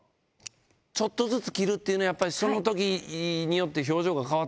ちょっとずつ切るっていうのはやっぱりその時によって表情が変わってくるから？